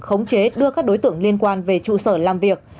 khống chế đưa các đối tượng liên quan về trụ sở làm việc